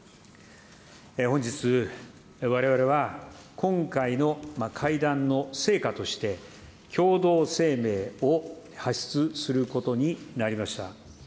本日、われわれは今回の会談の成果として、共同声明を発出することになりました。